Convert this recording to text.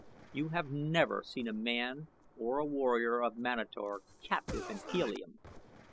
You have never seen a woman or a warrior of Manator captive in Helium!